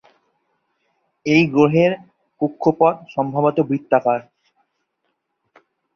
এই গ্রহের কক্ষপথ সম্ভবত বৃত্তাকার।